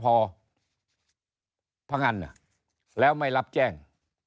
เพราะงั้นแล้วไม่รับแจ้ง